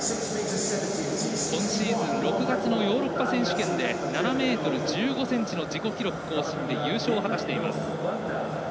今シーズン、６月ヨーロッパ選手権で７ｍ１５ｃｍの自己記録更新で優勝を果たしています。